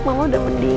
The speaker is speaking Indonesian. kamu udah mendingan